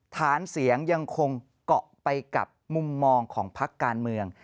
ฐานเสียงยังคงเกาะไปกับมุมมองของพักการเมือง